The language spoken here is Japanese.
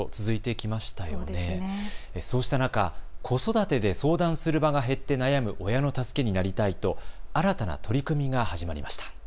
そうした中、子育てで相談する場が減って悩む親の助けになりたいと新たな取り組みが始まりました。